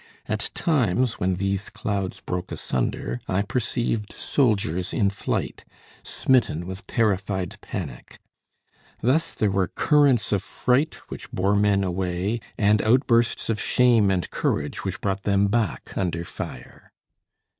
At times, when these clouds broke asunder, I perceived soldiers in flight, smitten with terrified panic. Thus there were currents of fright which bore men away, and outbursts of shame and courage which brought them back under fire.